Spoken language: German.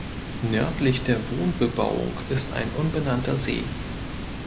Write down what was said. Nördlich der Wohnbebauung ist ein unbenannter See.